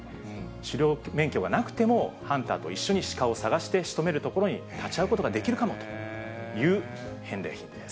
狩猟免許がなくても、ハンターと一緒にシカを探してしとめるところに立ち会うことができるかもという返礼品です。